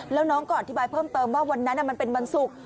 แล้วน้องก็อธิบายเพิ่มเติมว่าวันนั้นมันเป็นวันศุกร์